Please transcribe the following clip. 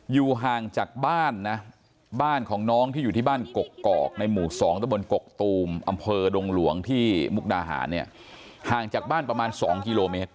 อยู่ห่างจากบ้านนะบ้านของน้องที่อยู่ที่บ้านกกอกในหมู่๒ตะบนกกตูมอำเภอดงหลวงที่มุกดาหารเนี่ยห่างจากบ้านประมาณ๒กิโลเมตร